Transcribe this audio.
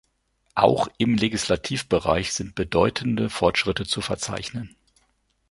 Auch im Legislativbereich sind bedeutende Fortschritte zu verzeichnen.